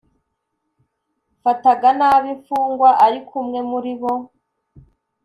fataga nabi imfungwa ariko umwe muri bo